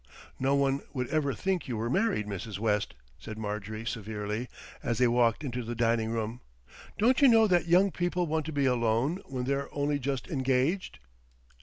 "No one would ever think you were married, Mrs. West," said Marjorie severely, as they walked into the dining room. "Don't you know that young people want to be alone when they're only just engaged."